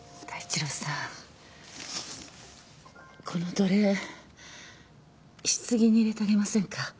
この土鈴棺に入れてあげませんか？